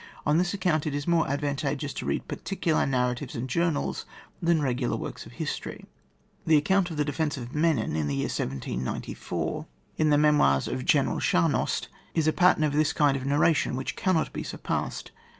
On this account it is more advantageous to read particular nar ratives and journals than regular works of history. The account of the defence of Menin, in the year 1794, in the me moirs of General Schamhorst, is a pat tern of this kind of narration which cannot be surpassed.